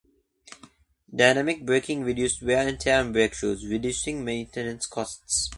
Dynamic braking reduced wear and tear on brake shoes, reducing maintenance costs.